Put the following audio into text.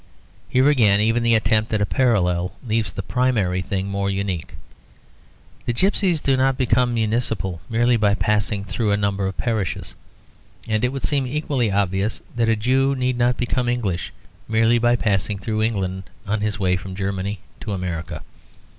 Here again even the attempt at a parallel leaves the primary thing more unique. The gipsies do not become municipal merely by passing through a number of parishes, and it would seem equally obvious that a Jew need not become English merely by passing through England on his way from Germany to America.